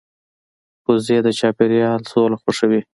وزې د چاپېریال سوله خوښوي